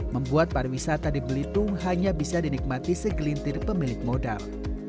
membuat pariwisata di belitung hanya bisa dinikmati segelintir pemilik modal